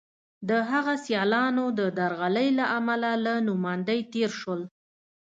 د هغه سیالانو د درغلۍ له امله له نوماندۍ تېر شول.